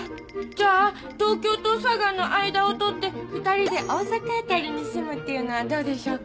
じゃあ東京と佐賀の間をとって二人で大阪あたりに住むっていうのはどうでしょうか？